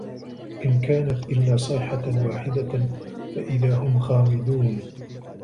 إِن كانَت إِلّا صَيحَةً واحِدَةً فَإِذا هُم خامِدونَ